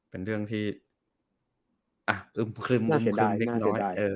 เป็นเรื่องที่อุ้มคลึมนิดน้อย